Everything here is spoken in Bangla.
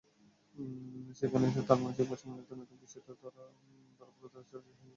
সেখানে তাঁর মানসিক ভারসাম্যহীনতার বিষয়টি ধরা পড়লে তাঁদের ছাড়াছাড়ি হয়ে যায়।